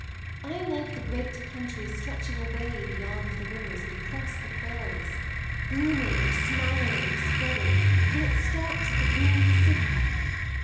I like the great country stretching away beyond the rivers and across the prairies, blooming and smiling and spreading till it stops at the green Pacific!